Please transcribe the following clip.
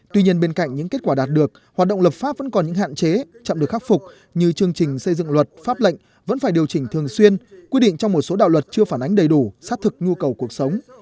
tuy nhiên bên cạnh những kết quả đạt được hoạt động lập pháp vẫn còn những hạn chế chậm được khắc phục như chương trình xây dựng luật pháp lệnh vẫn phải điều chỉnh thường xuyên quy định trong một số đạo luật chưa phản ánh đầy đủ sát thực nhu cầu cuộc sống